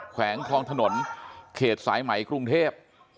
แขวงคลองถนนเขตสายไหมกรุงเทพ